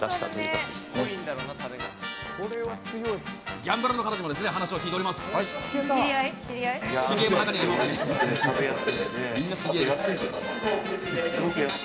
ギャンブラーの方にも話を聞いてみました。